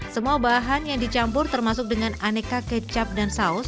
semua bahan yang dicampur termasuk dengan aneka kecap dan saus